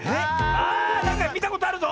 ああなんかみたことあるぞ！